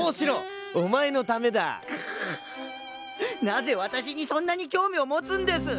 なぜわたしにそんなに興味を持つんです！